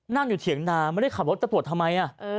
นั่งอยู่เถียงนาไม่ได้ขับรถจะตรวจทำไม